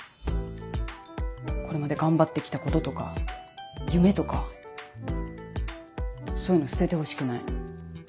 これまで頑張ってきたこととか夢とかそういうの捨ててほしくない。